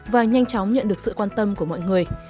và nhanh chóng nhận được sự quan tâm của mọi người